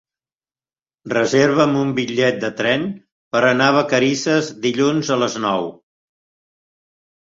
Reserva'm un bitllet de tren per anar a Vacarisses dilluns a les nou.